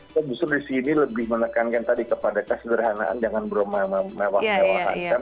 saya justru disini lebih menekankan tadi kepada kesederhanaan jangan berumah mewah mewahan